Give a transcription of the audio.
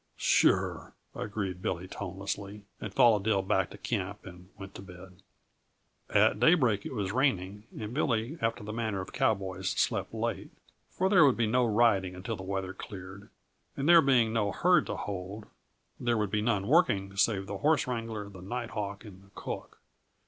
"Sure," agreed Billy tonelessly, and followed Dill back to camp and went to bed. At daybreak it was raining, and Billy after the manner of cowboys slept late; for there would be no riding until the weather cleared, and there being no herd to hold, there would be none working save the horse wrangler, the night hawk and cook.